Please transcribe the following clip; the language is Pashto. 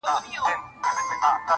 خپل استازی یې ورواستاوه خزدکه٫